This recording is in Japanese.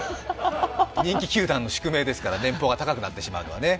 人気球団の宿命ですから、年俸が高くなってしまうのはね。